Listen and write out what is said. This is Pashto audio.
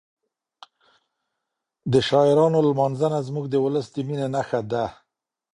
د شاعرانو لمانځنه زموږ د ولس د مینې نښه ده.